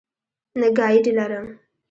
نه ګائیډ لرم.